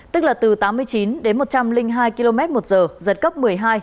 tức là từ tám mươi chín đến một trăm linh hai km một giờ giật cấp một mươi hai